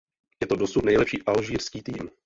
Je to dosud nejlepší alžírský tým.